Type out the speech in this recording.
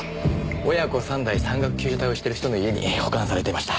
親子三代山岳救助隊をしてる人の家に保管されていました。